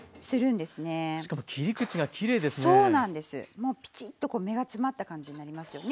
もうピチッとこう目が詰まった感じになりますよね。